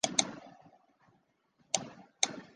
该物种的保护状况被评为近危。